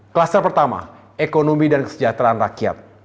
kluster pertama ekonomi dan kesejahteraan rakyat